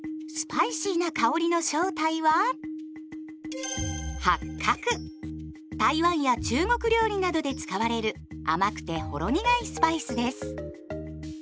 スパイシーな香りの正体は台湾や中国料理などで使われる甘くてほろ苦いスパイスです。